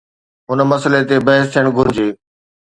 هن مسئلي تي بحث ٿيڻ گهرجي.